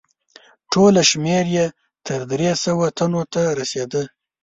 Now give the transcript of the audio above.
ټوله شمیر یې تر درې سوه تنو ته رسیده.